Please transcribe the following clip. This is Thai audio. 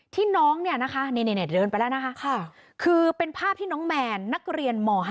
ที่น้องเนี่ยนะคะเดินไปแล้วนะคะคือเป็นภาพที่น้องแมนนักเรียนม๕